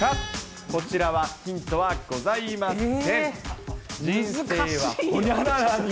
こちらはヒントはございません。